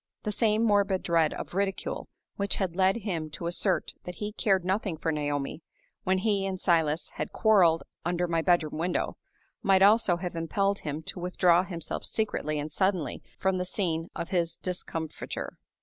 The same morbid dread of ridicule which had led him to assert that he cared nothing for Naomi, when he and Silas had quarreled under my bedroom window, might also have impelled him to withdraw himself secretly and suddenly from the scene of his discomfiture.